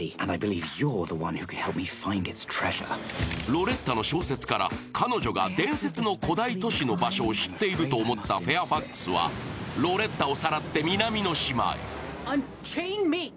ロレッタの小説から、彼女が伝説の古代都市の場所を知っていると思ったフェアファックスはロレッタをさらって南の島へ。